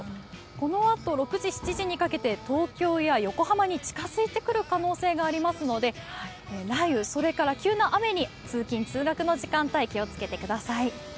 このあと６時、７時にかけて東京や横浜に近づいてくる可能性がありますので雷雨、急な雨に通勤・通学の時間帯気をつけてください。